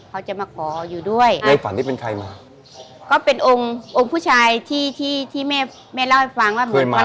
เขาจะมาขออยู่ด้วยในฝันที่เป็นใครมาก็เป็นองค์องค์ผู้ชายที่ที่ที่แม่แม่เล่าให้ฟังว่าเหมือนมา